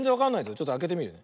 ちょっとあけてみるね。